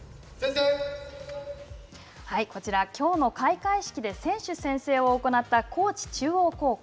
こちら、きょうの開会式で選手宣誓を行った、高知中央高校。